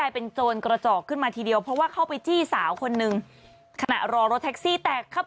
เพราะว่าเข้าไปจี้สาวคนนึงขณะรอรถแท็กซี่แตก